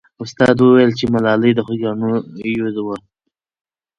استاد وویل چې ملالۍ د خوګیاڼیو وه.